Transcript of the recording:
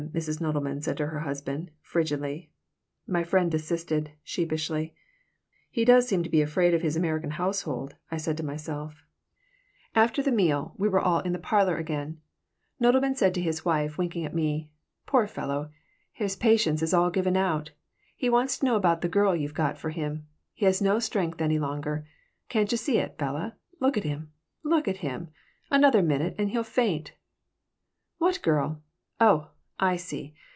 Mrs. Nodelman said to her husband, frigidly My friend desisted, sheepishly "He does seem to be afraid of his American household," I said to myself After the meal, when we were all in the parlor again, Nodelman said to his wife, winking at me: "Poor fellow, his patience has all given out. He wants to know about the girl you've got for him. He has no strength any longer. Can't you see it, Bella? Look at him! Look at him! Another minute and he'll faint." "What girl? Oh, I see!